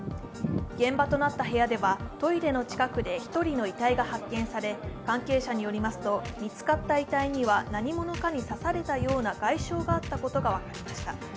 現場となった部屋ではトイレの近くで１人の遺体が発見され関係者によりますと、見つかった遺体には何者かに刺されたような外傷があったことが分かりました。